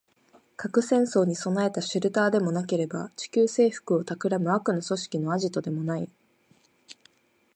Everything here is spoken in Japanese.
核戦争に備えたシェルターでもなければ、地球制服を企む悪の組織のアジトでもない